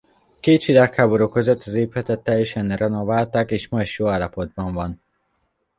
A két világháború között az épületet teljesen renoválták és ma is jó állapotban van.